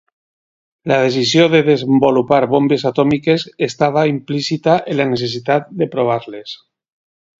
La decisió de desenvolupar bombes atòmiques estava implícita en la necessitat de provar-les.